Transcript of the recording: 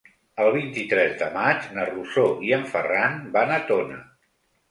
El vint-i-tres de maig na Rosó i en Ferran van a Tona.